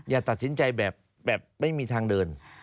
อย่าตัดสินใจแบบไม่มีทางเดิน